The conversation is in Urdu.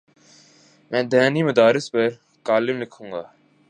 میں دینی مدارس پر کالم لکھوں گا۔